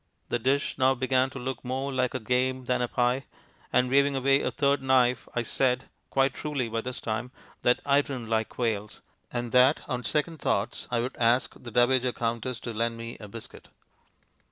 The dish now began to look more like a game than a pie, and, waving away a third knife, I said (quite truly by this time) that I didn't like quails, and that on second thoughts I would ask the Dowager Countess to lend me a biscuit.